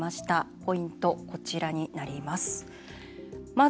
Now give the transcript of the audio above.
ポイント、こちらになります。